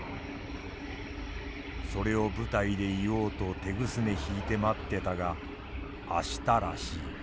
それを舞台で言おうと手ぐすね引いて待ってたが明日らしい。